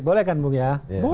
boleh kan bung ya